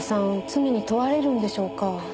罪に問われるんでしょうか？